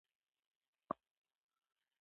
وروسته انسان د وریانو لږ زیات شمېر ساتل پیل کړل.